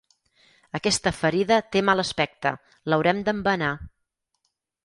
Aquesta ferida té mal aspecte: l'haurem d'embenar.